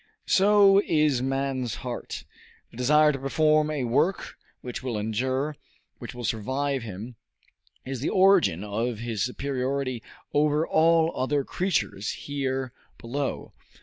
So is man's heart. The desire to perform a work which will endure, which will survive him, is the origin of his superiority over all other living creatures here below.